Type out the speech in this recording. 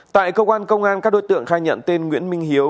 tại công an công an các đối tượng khai nhận tên nguyễn minh hiếu